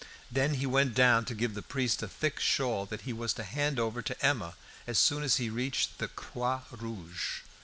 Then he went down to give the priest a thick shawl that he was to hand over to Emma as soon as he reached the "Croix Rouge."